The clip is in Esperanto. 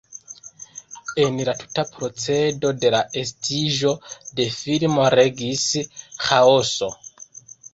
En la tuta procedo de la estiĝo de filmo regis ĥaoso.